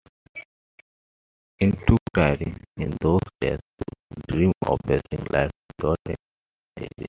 It took daring in those days to dream of facing life without a degree.